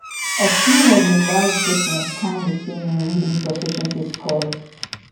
A similarly large difference can be seen in reading proficiency scores.